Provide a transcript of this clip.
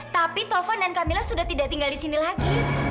tapi taufan dan camilla sudah tidak tinggal di sini lagi